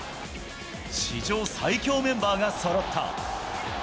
史上最強メンバーがそろった。